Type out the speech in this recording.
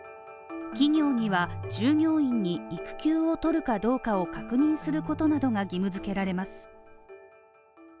企業には、従業員に育休をとるかどうかの確認することなどが義務づけられます。